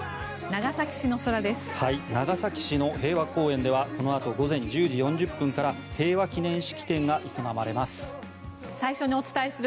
長崎市の平和公園ではこのあと午前１０時４０分から平和祈念式典が営まれます。